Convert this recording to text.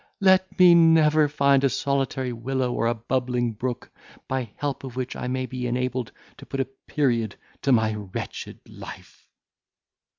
let me never find a solitary willow or a bubbling brook, by help of which I may be enabled to put a period to my wretched life."